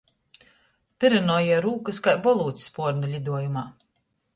Tyrynuoja rūkys kai bolūds spuornu liduojumā.